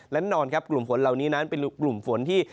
และแน่นอนครับกลุ่มฝนเหล่านี้นั้นเป็นกลุ่มฝนที่